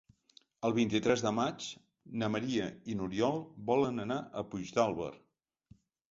El vint-i-tres de maig na Maria i n'Oriol volen anar a Puigdàlber.